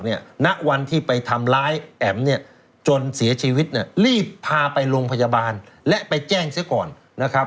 นักวันที่ไปทำร้ายแอ๋มจนเสียชีวิตรีบพาไปโรงพยาบาลและไปแจ้งซะก่อน